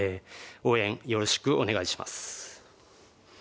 応援よろしくお願いします。